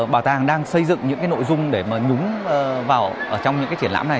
bảo tàng đang xây dựng những cái nội dung để mà nhúng vào trong những cái triển lãm này